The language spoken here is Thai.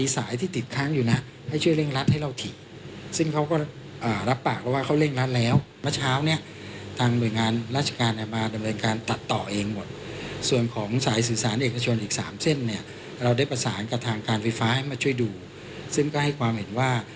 ซึ่งก็ให้ความเห็นว่า